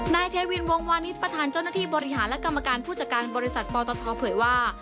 นายเทวินวงวานิสประธานเจ้าหน้าที่บริหารและกรรมการผู้จัดการบริษัทปตทเผยว่า